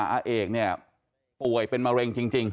อาเอกเนี่ยป่วยเป็นมะเร็งจริง